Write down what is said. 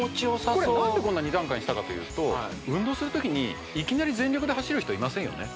これ何でこんな２段階にしたかというと運動する時にいきなり全力で走る人いませんよね